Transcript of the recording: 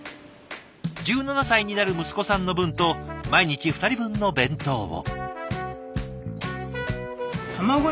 １７歳になる息子さんの分と毎日２人分の弁当を。